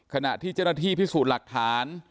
ขณะที่เจ้าหน้าที่พิสูจน์หลักฐาน